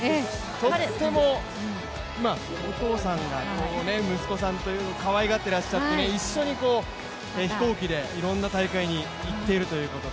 とってもお父さん、息子さんをかわいがっていらっしゃって一緒に飛行機でいろんな大会に行っているということで。